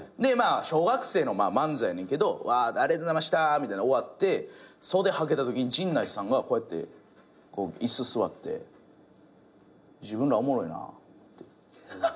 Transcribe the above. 小学生の漫才やねんけどありがとうございましたみたいな終わって袖はけたとき陣内さんが椅子座って「自分らおもろいな」って。